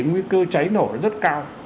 nguy cơ cháy nổ rất cao